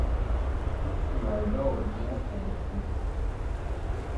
Izskanēja gauža nopūta taču.